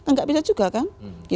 nggak bisa juga kan